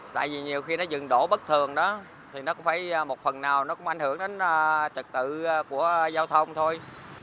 tại vì nhiều khi nó dừng đổ bất thường đó thì nó cũng phải một phần nào nó cũng ảnh hưởng đến trật tự của giao thông thôi